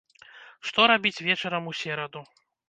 Што рабіць вечарам у сераду?